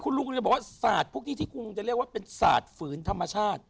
คุณลุงก็จะบอกว่าสัตว์พวกนี้ที่คุณจะเรียกว่าเป็นสัตว์ฝืนธรรมชาติ